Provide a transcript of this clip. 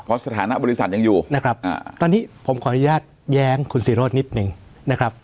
เพราะสถานะบริษัทยังอยู่นะครับตอนนี้ผมขออนุญาตแย้งคุณศิโรธนิดนึงนะครับ